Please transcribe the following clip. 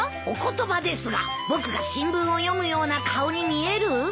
お言葉ですが僕が新聞を読むような顔に見える？